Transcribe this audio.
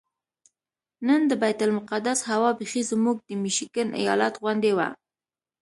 نن د بیت المقدس هوا بیخي زموږ د میشیګن ایالت غوندې وه.